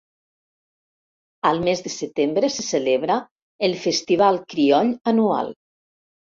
Al mes de setembre se celebra el Festival Crioll anual.